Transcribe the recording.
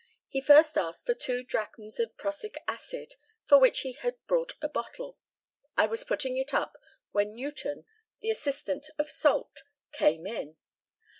He first asked for two drachms of prussic acid, for which he had brought a bottle. I was putting it up when Newton, the assistant of Salt, came in.